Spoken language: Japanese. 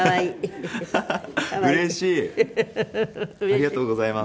ありがとうございます。